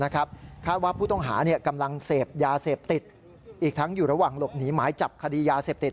คาดว่าผู้ต้องหากำลังเสพยาเสพติดอีกทั้งอยู่ระหว่างหลบหนีหมายจับคดียาเสพติด